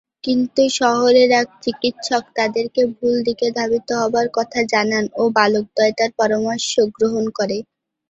কিন্তু শহরের এক চিকিৎসক তাদেরকে ভুল দিকে ধাবিত হবার কথা জানান ও বালকদ্বয় তার পরামর্শ গ্রহণ করে।